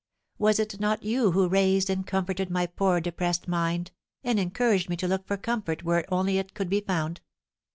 Was it not you who raised and comforted my poor depressed mind, and encouraged me to look for comfort where only it could be found?